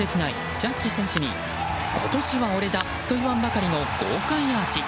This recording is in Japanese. ジャッジ選手に今年は俺だといわんばかりの豪快アーチ。